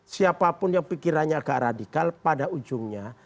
siapapun yang pikirannya agak radikal pada ujungnya